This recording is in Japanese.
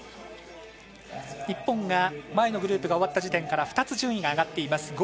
日本が前のグループが終わった時点から２つ、順位が上がっています。